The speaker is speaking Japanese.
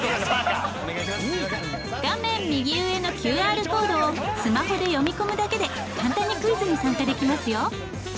画面右上のＱＲコードをスマホで読み込むだけで簡単にクイズに参加できますよ。